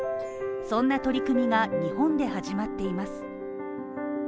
そんな取り組みが日本で始まっています。